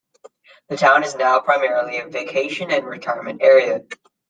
The town is now primarily a vacation and retirement area.